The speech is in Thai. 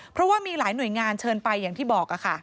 เพราะว่ามีหลายหน่วยงานเชิญไปอย่างที่บอก